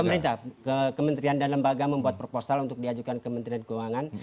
pemerintah kementerian dan lembaga membuat proposal untuk diajukan kementerian keuangan